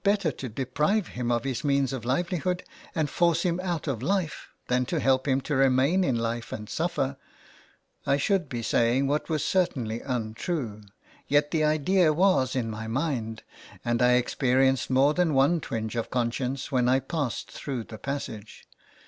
better to deprive him of his means of livelihood and force him out of life than to help him to remain in life and suffer, I should be saying what was certainly un true, yet the idea was in my mind, and I experienced more than one twinge of conscience when I passed through the passage.